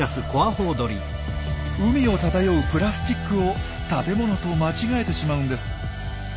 海を漂うプラスチックを食べ物と間違えてしまうんです。